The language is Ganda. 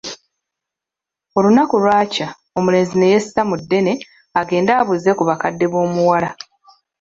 Olunaku lwakya omulenzi ne yessa mu ddene agende abuuze ku bakadde b'omuwala.